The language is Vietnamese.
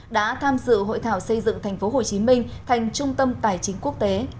đã tham dự hội thảo xây dựng tp hcm thành trung tâm tài chính quốc tế